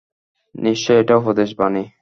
নিশ্চয় এটা উপদেশ বাণী।